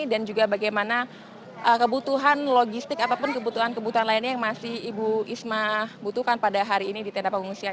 dan juga bagaimana kebutuhan logistik ataupun kebutuhan kebutuhan lainnya yang masih ibu isma butuhkan pada hari ini di tenda pengungsian